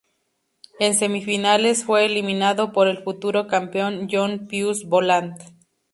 En semifinales fue eliminado por el futuro campeón John Pius Boland.